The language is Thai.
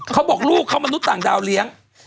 เขาบอกลูกเขามนุษย์ต่างดาวเลี้ยง